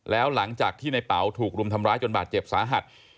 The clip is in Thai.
แล้วหลังจากที่ในเป๋าถูกรุมทำร้ายจนบาดเจ็บสาหัส